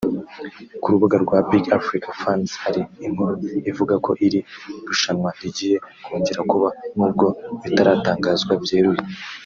Ku rubuga rwa Big Africa Fans hari inkuru ivuga ko iri rushanwa rigiye kongera kuba nubwo bitaratangazwa byeruye